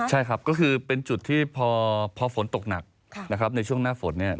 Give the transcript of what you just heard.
ใช่ครับก็คือเป็นจุดที่พอฝนตกหนักนะครับในช่วงหน้าฝนเนี่ย